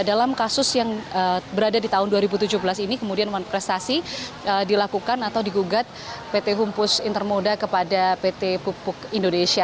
dalam kasus yang berada di tahun dua ribu tujuh belas ini kemudian prestasi dilakukan atau digugat pt humpus intermoda kepada pt pupuk indonesia